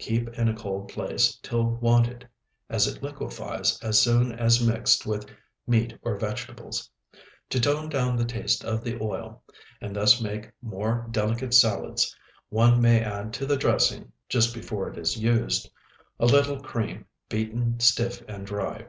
Keep in a cold place till wanted, as it liquefies as soon as mixed with meat or vegetables. To tone down the taste of the oil, and thus make more delicate salads, one may add to the dressing, just before it is used, a little cream beaten stiff and dry.